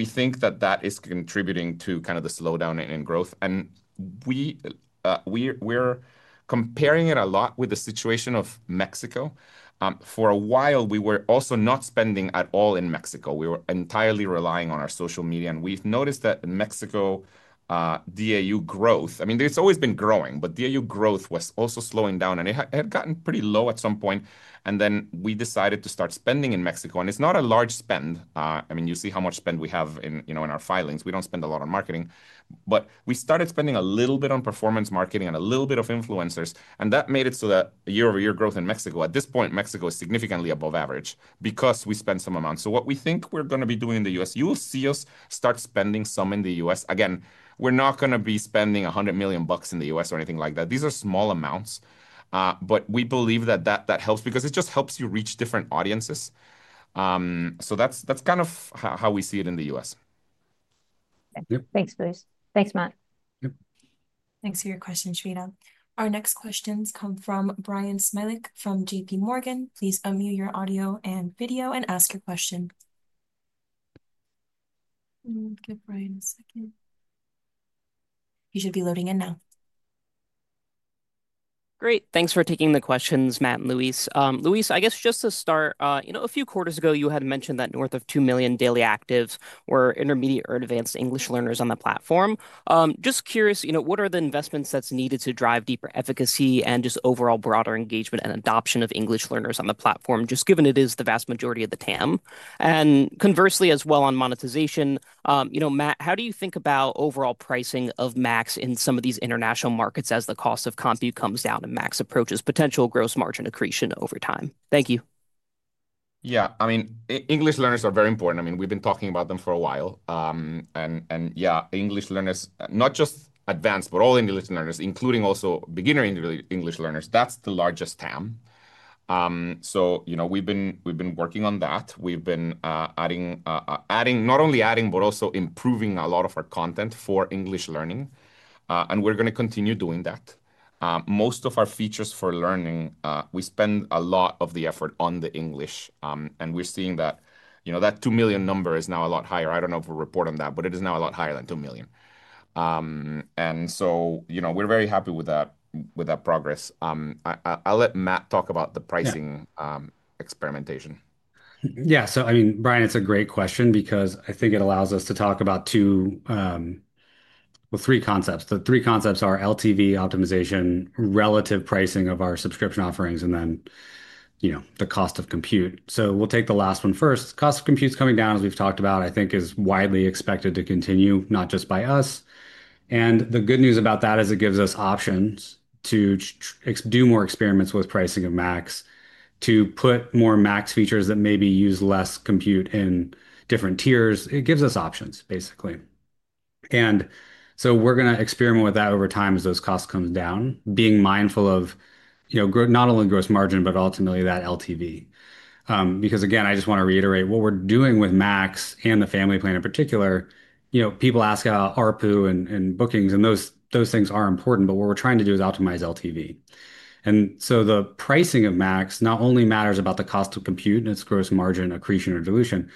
[SPEAKER 2] think that is contributing to the slowdown in growth. We're comparing it a lot with the situation of Mexico. For a while, we were also not spending at all in Mexico. We were entirely relying on our social media. We've noticed that in Mexico DAU growth, it's always been growing, but DAU growth was also slowing down and it had gotten pretty low at some point. We decided to start spending in Mexico. It's not a large spend. You see how much spend we have in our filings. We don't spend a lot on marketing, but we started spending a little bit on performance marketing and a little bit of influencers. That made it so that year-over-year growth in Mexico, at this point, Mexico is significantly above average because we spend some amount. What we think we're going to be doing in the U.S., you will see us start spending some in the U.S. again. We're not going to be spending $100 million in the U.S. or anything like that. These are small amounts. We believe that helps because it just helps you reach different audiences. That's kind of how we see it in the U.S.
[SPEAKER 13] Thanks, Bruce. Thanks, Matt.
[SPEAKER 3] Thanks for your question, Shweta. Our next questions come from Bryan Smilek from JPMorgan. Please unmute your audio and video and ask your question. You should be loading in now. Great.
[SPEAKER 14] Thanks for taking the questions, Matt and Luis. Luis, I guess just to start, you know, a few quarters ago you had mentioned that north of 2 million daily actives were intermediate or advanced English learners on the platform. Just curious, you know, what are the investments that's needed to drive deeper efficacy and just overall broader engagement and adoption of English learners on the platform just given it is the vast majority of the TAM and conversely as well on monetization. You know, Matt, how do you think about overall pricing of Max in some of these international markets as the cost. compute costs come down and Duolingo Max approaches potential gross margin accretion over time?
[SPEAKER 2] Thank you. Yeah, I mean, English learners are very important. We've been talking about them for a while and yeah, English learners, not just advanced, but all English learners, including also beginner English learners. That's the largest TAM. We've been working on that. We've been adding, not only adding, but also improving a lot of our content for English learning, and we're going to continue doing that. Most of our features for learning, we spend a lot of the effort on the English, and we're seeing that, you know, that 2 million number is now a lot higher. I don't know if we'll report on that, but it is now a lot higher than 2 million. We're very happy with that progress. I'll let Matt talk about the pricing experimentation.
[SPEAKER 7] Yeah, so, I mean, Bryan, it's a great question because I think it allows us to talk about two, well, three concepts. The three concepts are LTV optimization, relative pricing of our subscription offerings, and then the cost of compute. We'll take the last one first. Cost of compute is coming down, as we've talked about, I think is widely expected to continue not just by us. The good news about that is it gives us options to do more experiments with pricing of Max, to put more Max features that maybe use less compute in different tiers. It gives us options, basically. We're going to experiment with that over time as those costs come down, being mindful of, you know, not only gross margin, but ultimately that LTV. Because again, I just want to reiterate what we're doing with Max and the Family Plan in particular. People ask ARPU and bookings and those things are important. What we're trying to do is optimize LTV. The pricing of Max not only matters about the cost of compute and its gross margin accretion or dilution.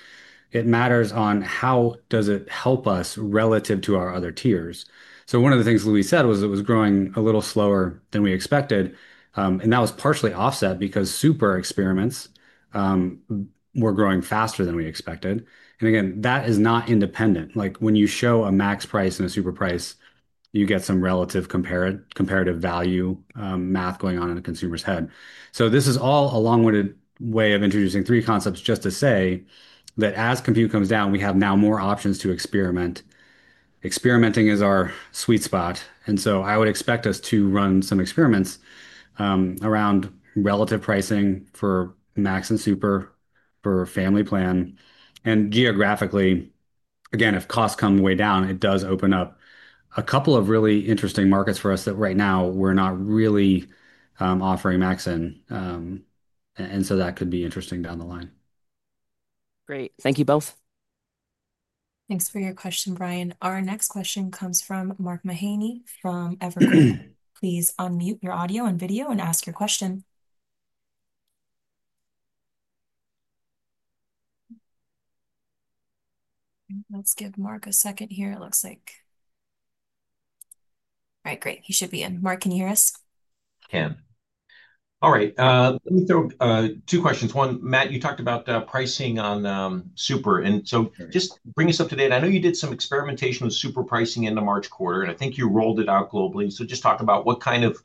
[SPEAKER 7] It matters on how does it help us relative to our other tiers. One of the things Luis said was it was growing a little slower than we expected. That was partially offset because Super experiments were growing faster than we expected. That is not independent. Like when you show a Max price and a Super price, you get some relative comparative value math going on in a consumer's head. This is all a long-winded way of introducing three concepts just to say that as compute comes down, we have now more options to experiment. Experimenting is our sweet spot. I would expect us to run some experiments around relative pricing for Max and Super, for Family Plan, and geographically. If costs come way down, it does open up a couple of really interesting markets for us that right now we're not really offering Max in. That could be interesting down the line. Great.
[SPEAKER 14] Thank you both.
[SPEAKER 3] Thanks for your question, Bryan. Our next question comes from Mark Mahaney from Evercore. Please unmute your audio and video and ask your question. Let's give Mark a second here. All right, great. He should be in. Mark, can you hear us?
[SPEAKER 15] Can. All right, let me throw two questions. One, Matt, you talked about pricing on Super and just bring us up to date. I know you did some experimentation with Super pricing in the March quarter and I think you rolled it out globally. Just talk about what kind of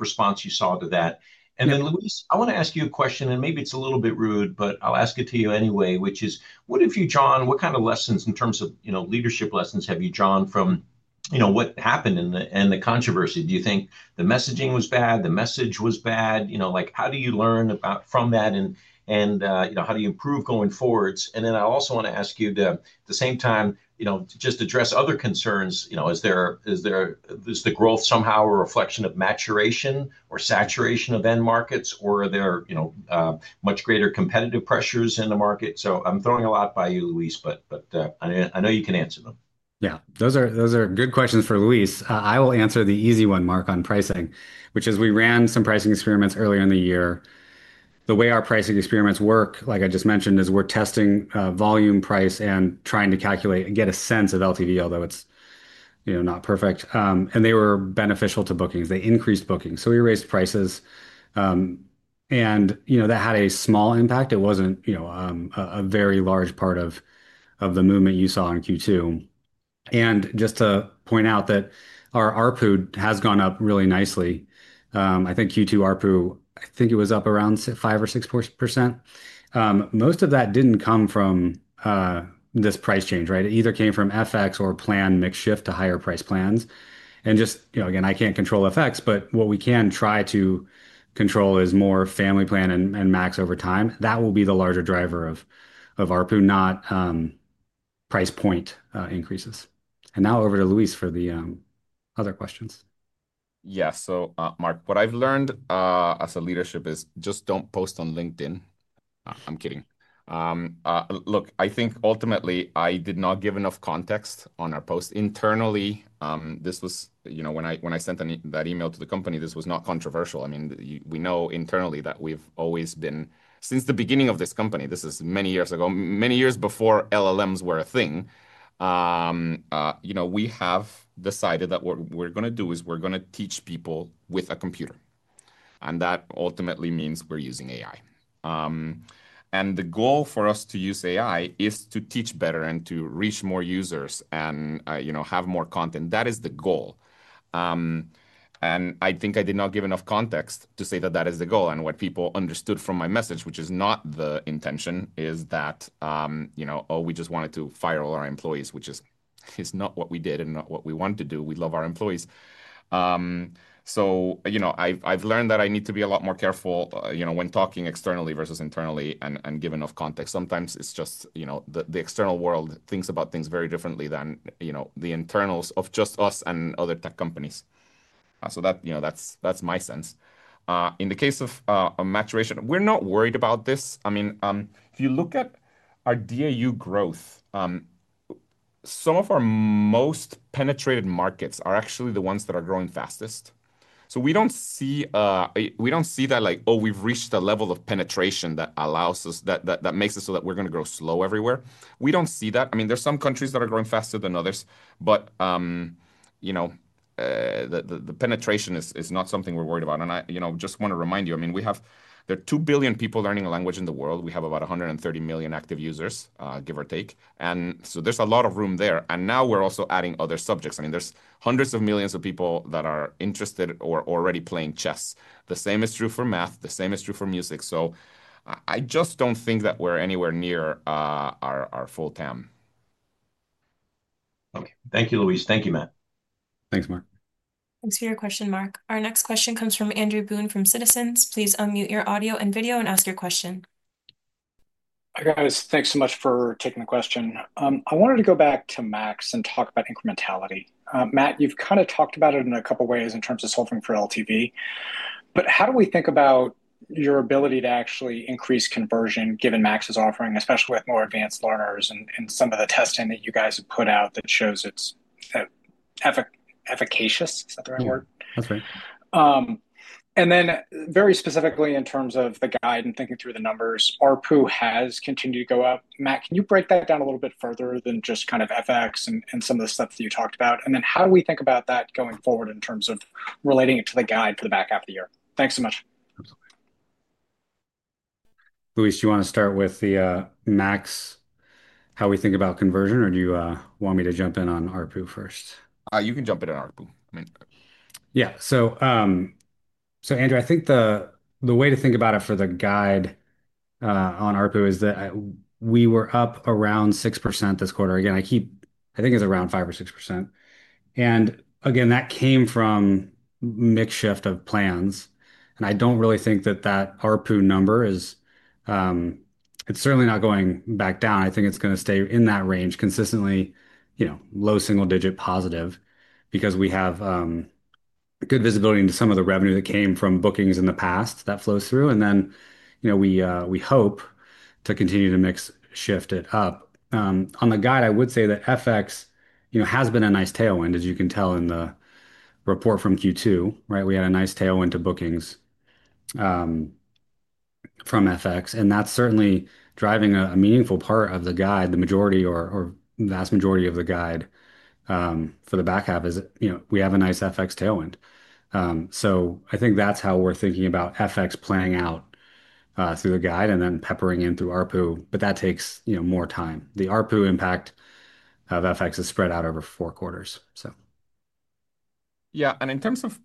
[SPEAKER 15] response you saw to that. Luis, I want to ask you a question and maybe it's a little bit rude, but I'll ask it to you anyway, which is what if you, John, what kind of lessons in terms of leadership lessons have you drawn from what happened and the controversy? Do you think the messaging was bad? The message was bad, you know, like how do you learn from that and how do you improve going forwards? I also want to ask you to at the same time just address other concerns. Is the growth somehow a reflection of maturation or saturation of end markets or are there much greater competitive pressures in the market? I'm throwing a lot by you, Luis, but I know you can answer them.
[SPEAKER 7] Yeah, those are good questions for Luis. I will answer the easy one, Mark, on pricing, which is we ran some pricing experiments earlier in the year. The way our pricing experiments work, like I just mentioned, is we're testing volume price and trying to calculate and get a sense of LTV, although it's, you know, not perfect. They were beneficial to bookings, they increased bookings. We raised prices and, you know, that had a small impact. It wasn't, you know, a very large part of the movement you saw in Q2. Just to point out that our ARPU has gone up really nicely. I think Q2 ARPU, I think it was up around 5% or 6%. Most of that didn't come from this price change. It either came from FX or planned mix shift to higher price plans. Just, you know, again, I can't control FX. What we can try to control is more Family Plan and Max over time. That will be the larger driver of ARPU, not price point increases. Now over to Luis for the other questions.
[SPEAKER 2] Yeah, so Mark, what I've learned as a leadership is just don't post on LinkedIn. I'm kidding. Look, I think ultimately I did not give enough context on our post internally. This was, you know, when I sent that email to the company, this was not controversial. I mean, we know internally that we've always been, since the beginning of this company. This is many years ago, many years before LLMs were a thing. You know, we have decided that what we're going to do is we're going to teach people with a computer. That ultimately means we're using AI. The goal for us to use AI is to teach better and to reach more users and, you know, have more content. That is the goal. I think I did not give enough context to say that that is the goal. What people understood from my message, which is not the intention, is that, you know, oh, we just wanted to fire all our employees, which is not what we did and not what we want to do. We love our employees. I've learned that I need to be a lot more careful when talking externally versus internally and giving enough context. Sometimes it's just the external world thinks about things very differently than the internals of just us and other tech companies. That's my sense. In the case of maturation, we're not worried about this. If you look at our DAU growth, some of our most penetrated markets are actually the ones that are growing fastest. We don't see that like, oh, we've reached a level of penetration that makes it so that we're going to grow slow everywhere. We don't see that. There are some countries that are growing faster than others, but the penetration is not something we're worried about. I just want to remind you, I mean, there are 2 billion people learning a language in the world. We have about 130 million active users, give or take. There's a lot of room there. Now we're also adding other subjects. There are hundreds of millions of people that are interested or already playing chess. The same is true for math. The same is true for music. I just don't think that we're anywhere near our full TAM.
[SPEAKER 15] Thank you, Luis. Thank you, Matt.
[SPEAKER 2] Thanks, Mark.
[SPEAKER 3] Thanks for your question, Mark. Our next question comes from Andrew Boone from Citizens. Please unmute your audio and video and ask your question.
[SPEAKER 16] Hi guys, thanks so much for taking the question. I wanted to go back to Max and talk about incrementality. Matt, you've kind of talked about it in a couple ways in terms of. Solving for LTV, but how do we think about your ability to actually increase conversion given Max is offering, especially with more advanced learners and some of the testing that you guys have put out. That shows it's efficacious.
[SPEAKER 7] That's right.
[SPEAKER 16] Very specifically in terms of the guide and thinking through the numbers, ARPU has continued to go up. Matt, can you break that down a little bit further than just kind of FX and some of the stuff that you talked about? How do we think about that going forward in terms of relating it to the guide for the back half of the year? Thanks so much,
[SPEAKER 7] Luis. You want to start with the max, how we think about conversion or do you want me to jump in on ARPU first?
[SPEAKER 2] You can jump in on ARPU.
[SPEAKER 7] Yeah. Andrew, I think the way to think about it for the guide on ARPU is that we were up around 6% this quarter. I think it's around 5% or 6%. That came from mix shift of plans. I don't really think that ARPU number is, it's certainly not going back down. I think it's going to stay in that range consistently, low single digit positive because we have good visibility into some of the revenue that came from bookings in the past. That flows through. We hope to continue to mix, shift it up on the guide. I would say that FX has been a nice tailwind as you can tell in the report from Q2. We had a nice tailwind to bookings from FX and that's certainly driving a meaningful part of the guide. The majority or vast majority of the guide for the back half is, we have a nice FX tailwind. I think that's how we're thinking about FX playing out through the guide and then peppering in through ARPU. That takes more time. The ARPU impact of FX is spread out over four quarters.
[SPEAKER 2] In terms of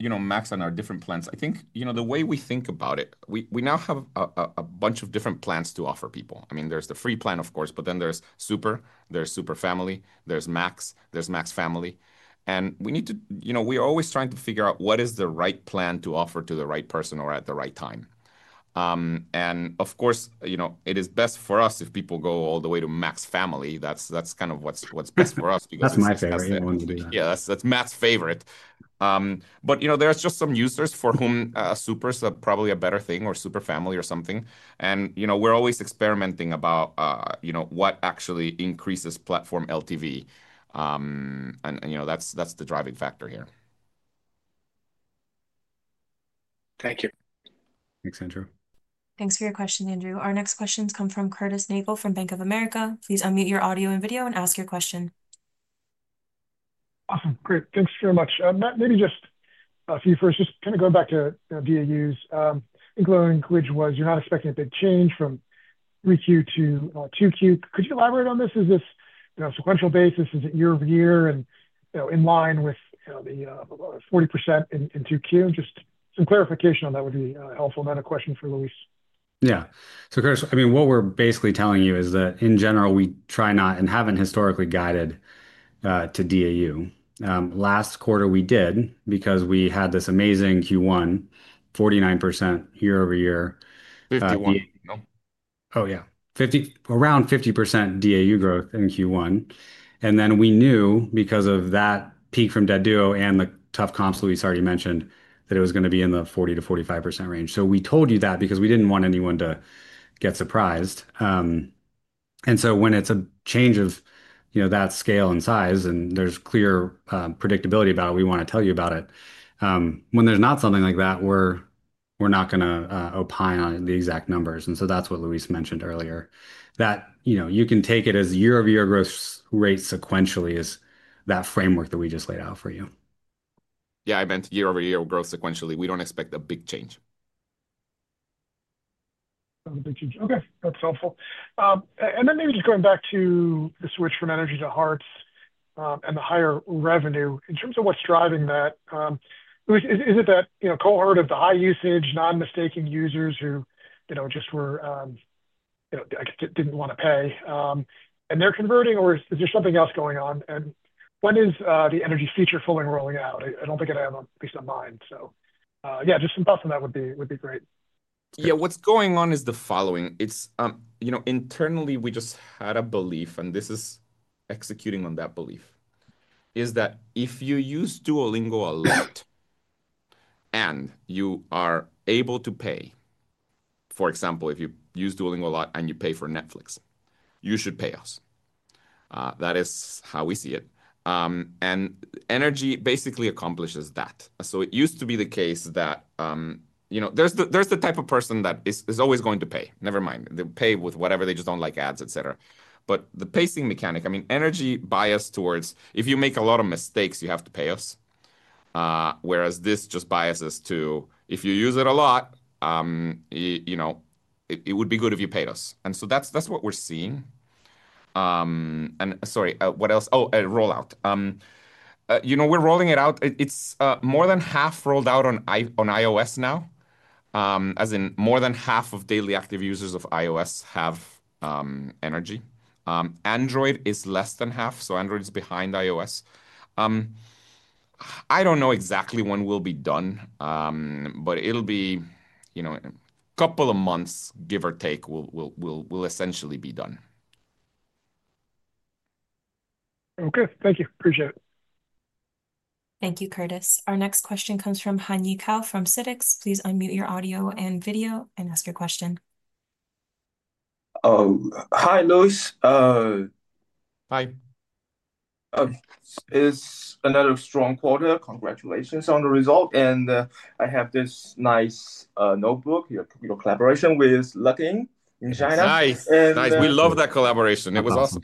[SPEAKER 2] Max and our different plans, the way we think about it, we now have a bunch of different plans to offer people. I mean, there's the free plan, of course, but then there's Super, there's Super Family, there's Max, there's Max Family. We need to, you know, we're always trying to figure out what is the right plan to offer to the right person or at the right time. Of course, it is best for us if people go all the way to Max Family. That's kind of what's best for us.
[SPEAKER 7] Because that's my favorite one to be.
[SPEAKER 2] Yeah, that's Matt's favorite. There are just some users for whom Super is probably a better thing or Super Family or something. We're always experimenting about what actually increases platform LTV, and that's the driving factor here.
[SPEAKER 16] Thank you.
[SPEAKER 7] Thanks, Andrew.
[SPEAKER 3] Thanks for your question, Andrew. Our next questions come from Curtis Nagle from Bank of America. Please unmute your audio and video and ask your question.
[SPEAKER 17] Awesome. Great. Thanks very much, Matt. Maybe just a few first. Just kind of going back to DAU's inclusion, I guess you're not expecting a big change from 3Q to 2Q. Could you elaborate on this? Is this sequential basis? Is it year-over-year and in line with the 40% in 2Q? Just some clarification on that would be helpful. A question for Luis.
[SPEAKER 7] Yeah. Chris, what we're basically telling you is that in general we try not and haven't historically guided to DAU. Last quarter we did because we had this amazing Q1 49% year-over-year.
[SPEAKER 2] 51.
[SPEAKER 7] Oh yeah, 50%. Around 50% DAU growth in Q1. We knew because of that peak from Dead Duo and the tough comps, Luis already mentioned that it was going to be in the 40% to 45% range. We told you that because we didn't want anyone to get surprised. When it's a change of that scale and size and there's clear predictability about it, we want to tell you about it. When there's not something like that, we're not going to opine on the exact numbers. That's what Luis mentioned earlier, that you can take it as year-over-year growth rate sequentially as that framework that we just laid out for you.
[SPEAKER 2] Yeah, I meant year-over-year growth sequentially. We don't expect a big change.
[SPEAKER 17] Okay, that's helpful. Maybe just going back to the switch from Energy to Hearts and the higher revenue in terms of what's driving that, is it that, you know, cohort of the high usage, non-mistaken users who, you know, just were, you know, didn't want to pay and they're converting, or is there something else going on? When is the Energy feature fully rolling out? I don't think it has. Just some thoughts on that would be great.
[SPEAKER 2] Yeah, what's going on is the following. Internally we just had a belief, and this is executing on that belief, that if you use Duolingo a lot and you are able to pay, for example, if you use Duolingo a lot and you pay for Netflix, you should pay us. That is how we see it. Energy basically accomplishes that. It used to be the case that there's the type of person that is always going to pay, never mind they pay with whatever, they just don't like ads, etc. The pacing mechanic, I mean, energy biases towards if you make a lot of mistakes, you have to pay us, whereas this just biases to if you use it a lot, it would be good if you paid us. That's what we're seeing. Sorry, what else? A rollout, we're rolling it out. It's more than half rolled out on iOS now, as in more than half of daily active users of iOS have energy. Android is less than half, so Android's behind iOS. I don't know exactly when we'll be done, but it'll be a couple of months, give or take, will essentially be done.
[SPEAKER 17] Okay, thank you. Appreciate it.
[SPEAKER 3] Thank you, Curtis. Our next question comes from Hanyi Cai from CITIC. Please unmute your audio and video and ask your question.
[SPEAKER 18] Hi Luis.
[SPEAKER 2] Hi.
[SPEAKER 18] It's another strong quarter. Congratulations on the result. I have this nice notebook here. Your collaboration with Luckin in China,
[SPEAKER 2] We love that collaboration. It was awesome.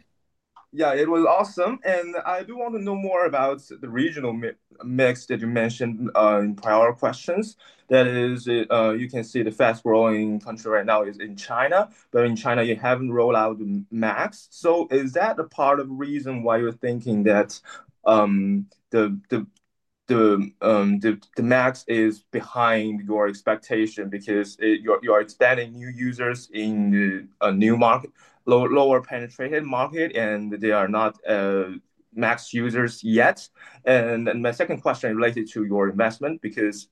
[SPEAKER 18] I do want to know more about the regional mix that you mentioned in prior questions. That is, you can see the fast growing country right now is in China, but in China you haven't rolled out the Max. Is that a part of the reason why you're thinking that the Max is behind your expectation? Because you are expecting new users in a new market, lower penetrated market and they are not Max users yet. My second question is related to your investment because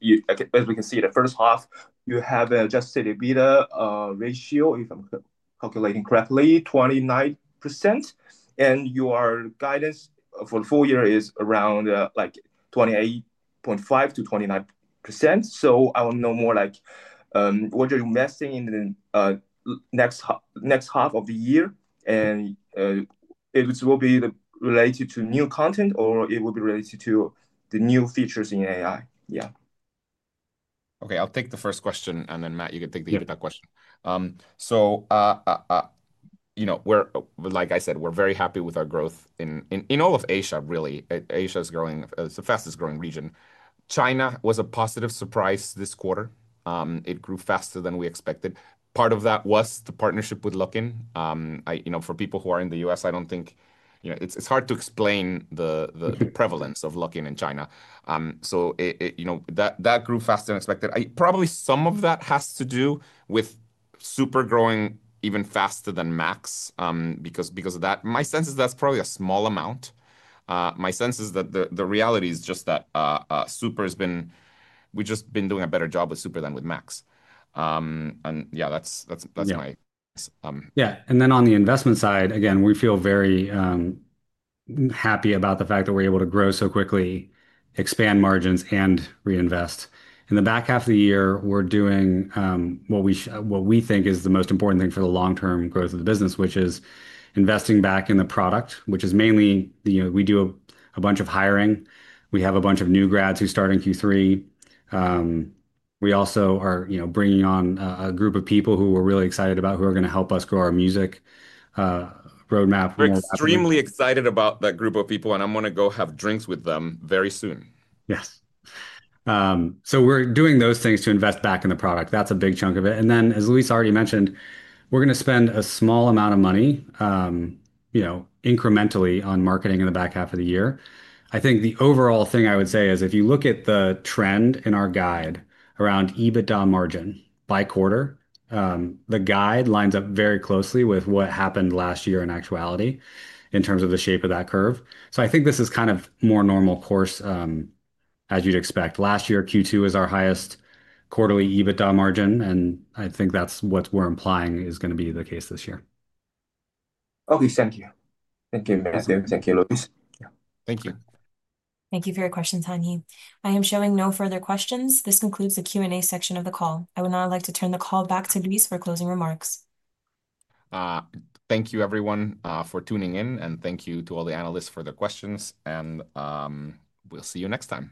[SPEAKER 18] as we can see the first half you have adjusted EBITDA ratio, if I'm calculating correctly, 29%. Your guidance for the full year is around 28.5% to 29%. I want to know more like what you're investing in next half of the year and if it will be related to new content or it will be related to the new features in AI. Yeah.
[SPEAKER 2] Okay, I'll take the first question and then Matt, you can take the question. We're, like I said, very happy with our growth in all of Asia. Really, Asia is growing. It's the fastest growing region. China was a positive surprise this quarter. It grew faster than we expected. Part of that was the partnership with Luckin. For people who are in the U.S. I don't think it's hard to explain the prevalence of Luckin in China. That grew faster than expected. Probably some of that has to do with Super growing even faster than Max. Because of that, my sense is that's probably a small amount. My sense is that the reality is just that Super has been. We've just been doing a better job with Super than with Max. Yeah, that's my.
[SPEAKER 7] On the investment side, we feel very happy about the fact that we're able to grow so quickly, expand margins, and reinvest in the back half of the year. We're doing what we think is the most important thing for the long term growth of the business, which is investing back in the product, which is mainly we do a bunch of hiring. We have a bunch of new grads who start in Q3. We also are bringing on a group of people who we're really excited about, who are going to help us grow our music roadmap.
[SPEAKER 2] Extremely excited about that group of people, and I'm going to go have drinks with them very soon.
[SPEAKER 7] Yes. We're doing those things to invest back in the product. That's a big chunk of it. As Luis already mentioned, we're going to spend a small amount of money incrementally on marketing in the back half of the year. I think the overall thing I would say is if you look at the trend in our guide around EBITDA margin by quarter, the guide lines up very closely with what happened last year. In actuality, in terms of the shape of that curve, I think this is kind of more normal course as you'd expect. Last year, Q2 is our highest quarterly EBITDA margin. And. I think that's what we're implying is going to be the case this year.
[SPEAKER 18] Okay, thank you.
[SPEAKER 7] Thank you.
[SPEAKER 18] Thank you, Luis. Thank you.
[SPEAKER 3] Thank you for your questions, Hanyi. I am showing no further questions. This concludes the Q and A section of the call. I would now like to turn the call back to Luis for closing remarks.
[SPEAKER 2] Thank you, everyone, for tuning in, and thank you to all the analysts for their questions. We'll see you next time.